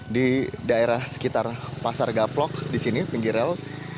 di daerah sekitar pasar gaplok di sini pinggir rel